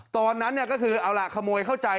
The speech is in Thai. ตอนนั้นเนี่ยก็คือเอาแหละขโมยเข้าใจ